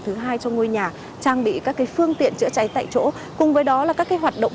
thứ hai trong ngôi nhà trang bị các cái phương tiện chữa cháy tại chỗ cùng với đó là các cái hoạt động